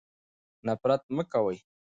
نفرت مه کوئ.